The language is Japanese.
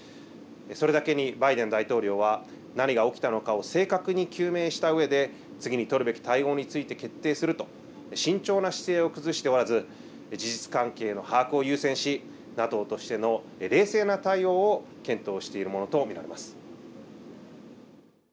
それだけにバイデン大統領は何が起きたのかを正確に究明したうえで次に取るべき対応について決定すると慎重な姿勢を崩しておらず事実関係の把握を優先しＮＡＴＯとしての冷静な対応を検討しているものと見られます。